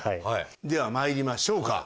ではまいりましょうか。